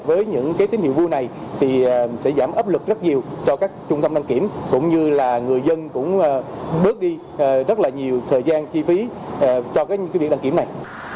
với những tín hiệu vui này thì sẽ giảm áp lực rất nhiều cho các trung tâm đăng kiểm cũng như là người dân cũng bớt đi rất là nhiều thời gian chi phí cho việc đăng kiểm này